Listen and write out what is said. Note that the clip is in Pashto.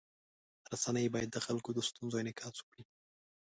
رسنۍ باید د خلکو د ستونزو انعکاس وکړي.